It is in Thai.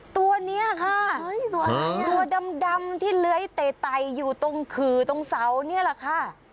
ตัวนี้ค่ะตัวดำที่เลื้อยเตะไตอยู่ตรงขื่อตรงเสานี่แหละค่ะ